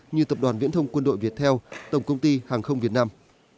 như tập đoàn viễn thông quân đội việt theo tổng công ty hàng không việt nam